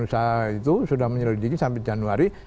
usaha itu sudah menyelidiki sampai januari